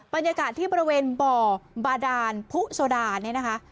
บรรยากาศที่บริเวณบ่อบาดานผู้โซดาเนี่ยนะคะ